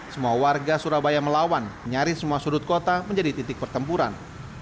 semua warga surabaya melawan nyaris semua sudut kota menjadi titik pertempuran